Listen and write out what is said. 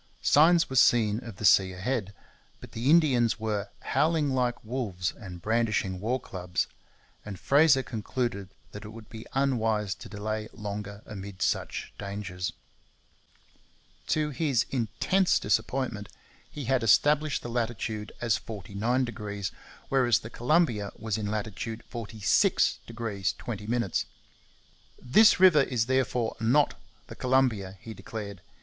Signs were seen of the sea ahead; but the Indians were 'howling like wolves and brandishing war clubs,' and Fraser concluded that it would be unwise to delay longer amid such dangers. To his intense disappointment he had established the latitude as 49°, whereas the Columbia was in latitude 46° 20'. 'This river is therefore not the Columbia,' he declared.